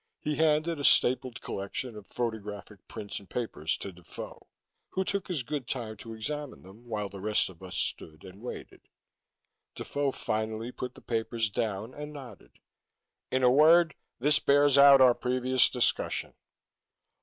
He handed a stapled collection of photographic prints and papers to Defoe, who took his own good time to examine them while the rest of us stood and waited. Defoe finally put the papers down and nodded. "In a word, this bears out our previous discussion."